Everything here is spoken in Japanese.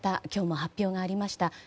今日も発表がありました。